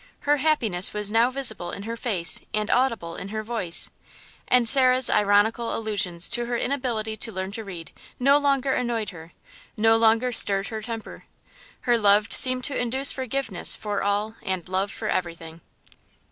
Her happiness was now visible in her face and audible in her voice, and Sarah's ironical allusions to her inability to learn to read no longer annoyed her, no longer stirred her temper her love seemed to induce forgiveness for all and love for everything.